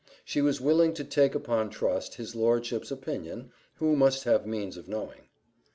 She was willing to take upon trust his lordship's opinion, who must have means of knowing.